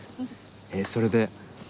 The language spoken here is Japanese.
それで？